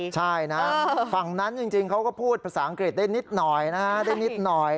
ใช่นะฝั่งนั้นจริงเขาก็พูดภาษาอังกฤษได้นิดหน่อยนะฮะ